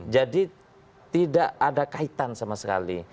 jadi tidak ada kaitan sama sekali